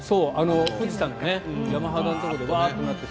富士山の山肌のところでうわーっとなっていて。